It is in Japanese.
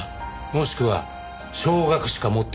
もしくは少額しか持っていなかった。